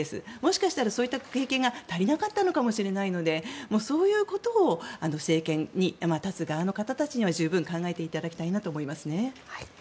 もしかしたらそういった経験が足りなかったかもしれないのでそういうことを政権に立つ側の方たちには十分考えていただきたいなと思いますね。